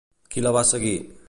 Qui la va seguir?